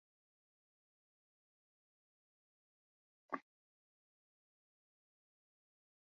পরবর্তিতে বেশ কয়েকটি সর্বদলীয় প্ল্যাটফর্ম সাধারণত পিটিশন, জনসভা, আলোচনা সভা, সমাবেশ ও ধর্মঘটের মধ্যেই আন্দোলন সীমাবদ্ধ রেখেছিল।